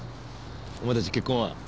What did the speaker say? お前たち結婚は？